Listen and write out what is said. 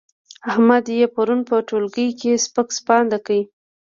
احمد يې پرون په ټولګي کې سپک سپاند کړ.